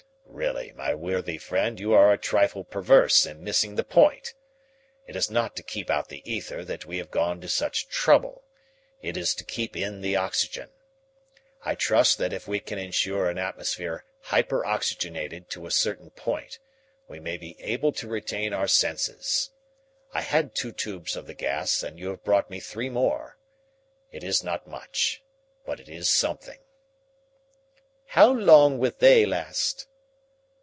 "Really, my worthy friend, you are a trifle perverse in missing the point. It is not to keep out the ether that we have gone to such trouble. It is to keep in the oxygen. I trust that if we can ensure an atmosphere hyper oxygenated to a certain point, we may be able to retain our senses. I had two tubes of the gas and you have brought me three more. It is not much, but it is something." "How long will they last?"